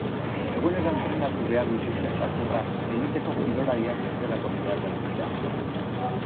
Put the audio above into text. Egunero entrenatu behar dituzte zakurrak, eliteko kirolariak bezalakoxeak baitira.